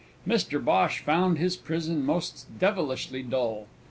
Mr Bhosh found his prison most devilishly dull.